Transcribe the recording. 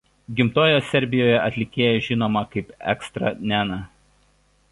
Gimtojoje Serbijoje atlikėja žinoma kaip Extra Nena.